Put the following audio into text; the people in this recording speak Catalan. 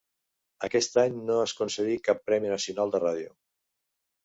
Aquest any no es concedí cap premi nacional de ràdio.